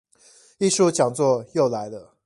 藝術講座又來了